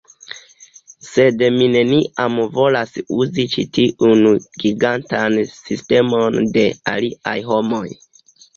Sed mi neniam volas uzi ĉi tiujn gigantajn sistemojn de aliaj homoj